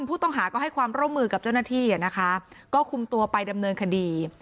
ผู้ต้องหาก็ให้ความร่วมมือกับเจ้าหน้าที่อ่ะนะคะก็คุมตัวไปดำเนินคดี